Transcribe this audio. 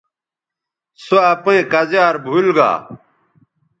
سو اپئیں کزیار بھول گا